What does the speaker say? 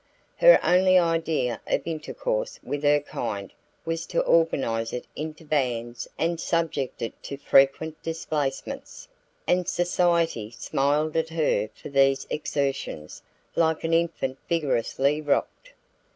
Her only idea of intercourse with her kind was to organize it into bands and subject it to frequent displacements; and society smiled at her for these exertions like an infant vigorously rocked.